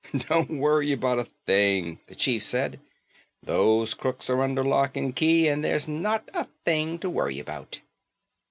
"Don't worry about a thing," the chief said, "those crooks are under lock and key and there's not a thing to worry about."